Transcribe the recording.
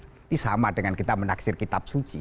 ini sama dengan kita menaksir kitab suci